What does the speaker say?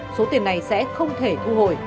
số tiền này sẽ không thể thu hồi